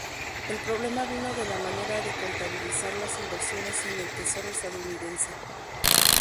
El problema vino de la manera de contabilizar las inversiones en el Tesoro estadounidense.